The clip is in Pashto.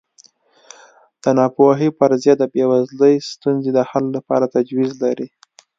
د ناپوهۍ فرضیه د بېوزلۍ ستونزې د حل لپاره تجویز لري.